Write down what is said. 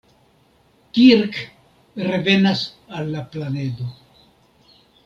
Kirk revenas al la planedo.